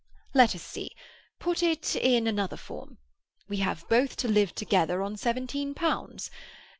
"Let us see. Put it in another form. We have both to live together on seventeen pounds.